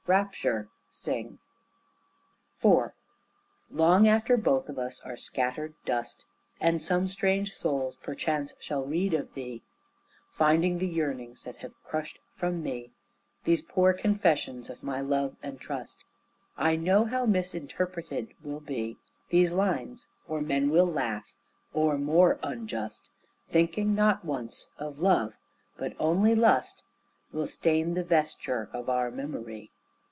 Rapture! sing. IV Long after both of us are scattered dust And some strange souls perchance shall read of thee, Finding the yearnings that have crushed from me These poor confessions of my love and trust, I know how misinterpreted will be These lines, for men will laugh, or more unjust, Thinking not once of love, but only lust, Will stain the vesture of our memory.